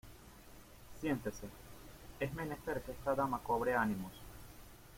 siéntense: es menester que esta dama cobre ánimos.